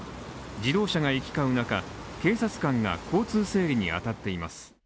自動車が行き交う中、警察官が交通整理にあたっています。